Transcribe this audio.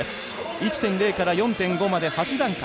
１．０から４．５まで８段階。